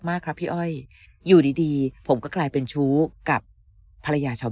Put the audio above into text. มากครับพี่อ้อยอยู่ดีดีผมก็กลายเป็นชู้กับภรรยาชาว